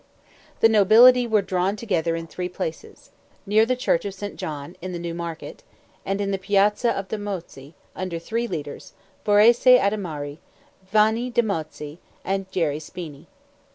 The nobility were drawn together in three places: near the church of St. John, in the New Market, and in the Piazza of the Mozzi, under three leaders, Forese Adimari, Vanni de Mozzi, and Geri Spini.